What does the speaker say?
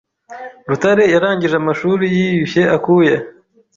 Rutare yarangije amashuri yiyushye akuya